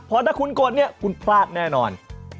เพราะถ้าคุณกดเนี่ยคุณพลาดแน่นอน